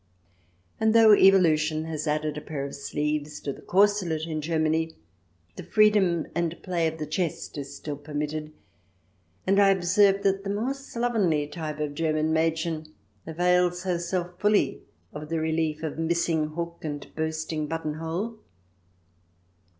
And although evolution has added a pair of sleeves to the corselet in Germany, the free dom and play of the chest is still permitted, and I observe that the more slovenly type of German Madchen avails herself fully of the relief of missing hook and bursting buttonhole.